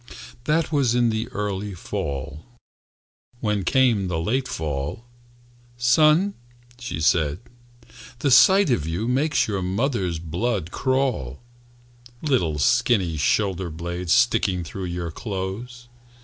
That was in the early fall. When came the late fall, "Son," she said, "the sight of you Makes your mother's blood crawl,– "Little skinny shoulder blades Sticking through your clothes!